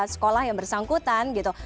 sekolah yang bersangkutan gitu